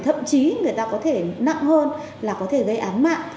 thậm chí người ta có thể nặng hơn là có thể gây án mạng